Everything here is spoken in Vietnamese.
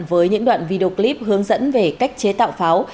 với những đoạn video clip hướng dẫn về cách chế tạo pháo